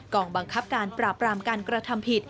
องบังคับการปราบรามการกระทำผิด